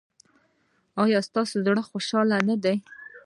ایا ستاسو زړه خوشحاله نه دی؟